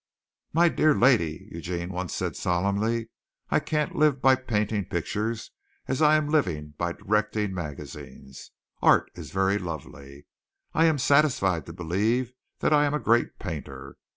"My dear lady," Eugene once said solemnly, "I can't live by painting pictures as I am living by directing magazines. Art is very lovely. I am satisfied to believe that I am a great painter.